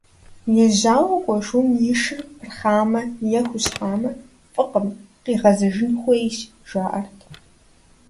Ежьауэ кӀуэ шум и шыр пырхъамэ е хущхьамэ, фӀыкъым, къигъэзэжын хуейщ, жаӀэрт.